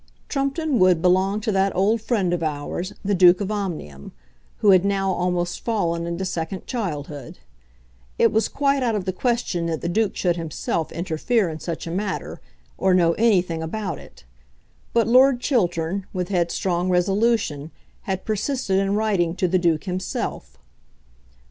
Trumpeton Wood belonged to that old friend of ours, the Duke of Omnium, who had now almost fallen into second childhood. It was quite out of the question that the Duke should himself interfere in such a matter, or know anything about it; but Lord Chiltern, with headstrong resolution, had persisted in writing to the Duke himself.